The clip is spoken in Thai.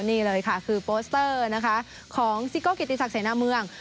นี่เลยค่ะคือโปสเตอร์นะคะของซิโก้เกียรติศักดิเสนาเมือง